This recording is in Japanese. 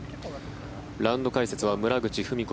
ラウンド解説は村口史子